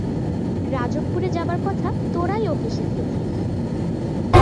রজবপুরে যাবার কথা তোরাই ওকে শিখিয়েছিস।